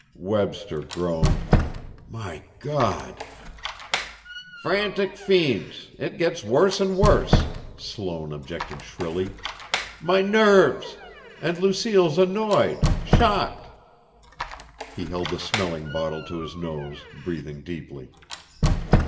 Webster groaned: "My God!" "Frantic fiends! It gets worse and worse!" Sloane objected shrilly. "My nerves! And Lucille's annoyed shocked!" He held the smelling bottle to his nose, breathing deeply.